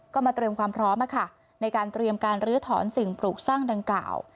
ก็มาเตรียมความพร้อมในการเตรียมการลื้อถอนสิ่งปลูกสร้างดังกล่าว